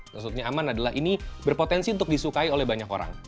maksudnya aman adalah ini berpotensi untuk disukai oleh banyak orang